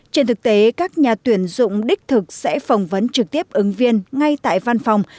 trên thực tế các nhà tuyển dụng đích thực sẽ phỏng vấn trực tiếp ứng viên ngay tại văn phòng